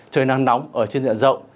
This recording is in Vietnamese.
trời nắng nóng ở trên diện rộng